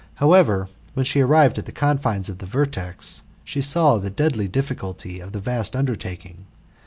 However, when she arrived at the confines of the vertex, she saw the deadly difficulty of the vast undertaking.